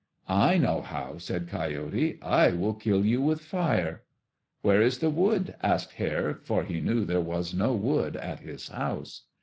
"I know how," said Coyote. "I will kill you with fire." "Where is the wood?" asked Hare, for he knew there was no wood at his house.